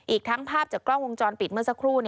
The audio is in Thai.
อีกทั้งภาพจากกล้องวงจรปิดเมื่อสักครู่